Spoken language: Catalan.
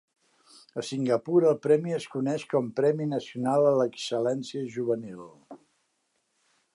A Singapur, el premi es coneix com "Premi nacional a l'excel·lència juvenil".